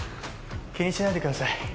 気にしないでください。